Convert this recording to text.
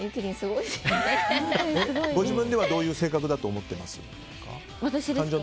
ご自分ではどういう性格だと思ってますか？